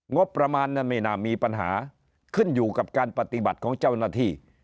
งบประมาณนั้นไม่น่ามีปัญหาขึ้นอยู่กับการปฏิบัติของเจ้าหน้าที่